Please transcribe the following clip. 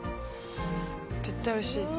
絶対おいしい。